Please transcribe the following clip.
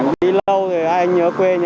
đi lâu rồi hai anh nhớ quê nhớ nhà